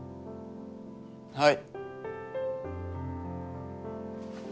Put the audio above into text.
はい。